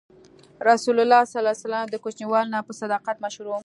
رسول الله ﷺ د کوچنیوالي نه په صداقت مشهور و.